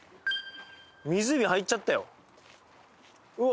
湖入っちゃったようわ